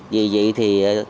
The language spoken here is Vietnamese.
vì vậy thì